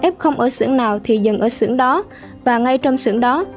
f ở xưởng nào thì dừng ở xưởng đó và ngay trong xưởng đó